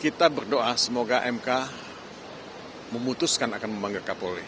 kita berdoa semoga mk memutuskan akan memanggil kapolri